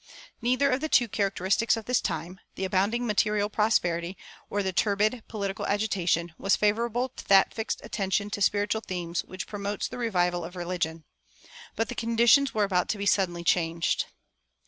[342:1] Neither of the two characteristics of this time, the abounding material prosperity or the turbid political agitation, was favorable to that fixed attention to spiritual themes which promotes the revival of religion. But the conditions were about to be suddenly changed.